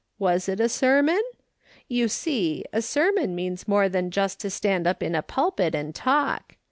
Was it a sermon ? You see, a sermon means more than just to stand up in a pulpit and talk.